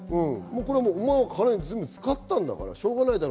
お前は金を全部使ったんだからしょうがないだろ。